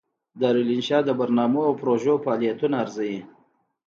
دارالانشا د برنامو او پروژو فعالیتونه ارزوي.